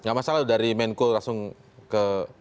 gak masalah dari menko langsung ke